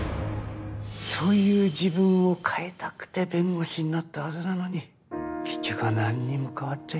そういう自分を変えたくて弁護士になったはずなのに結局は何にも変わっちゃいなかった。